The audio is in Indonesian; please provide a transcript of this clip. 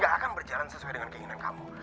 gak akan berjalan sesuai dengan keinginan kamu